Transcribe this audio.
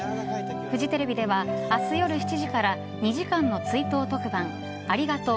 フジテレビでは明日夜７時から２時間の追悼特番「ありがとう！